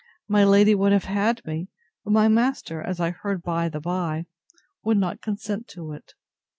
My lady would have had me; but my master, as I heard by the by, would not consent to it.